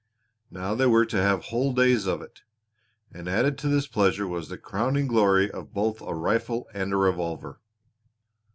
Now they were to have whole days of it. And added to this pleasure was the crowning glory of both a rifle and a revolver!